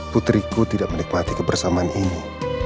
putriku tidak menikmati kebersamaan ini